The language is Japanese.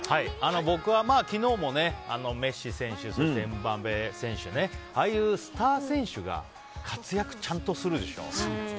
僕は、昨日もメッシ選手そしてエムバペ選手。ああいうスター選手が活躍をちゃんとするでしょ。